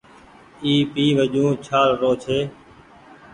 اي پي وجون ڇآل رو ڇي ۔